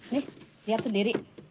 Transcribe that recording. nih lihat sendiri